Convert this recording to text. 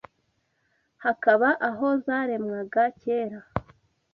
hakaba aho zaremerwaga kera